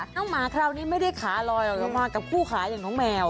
หมาคราวนี้ไม่ได้ขาลอยออกมากับคู่ขาอย่างน้องแมว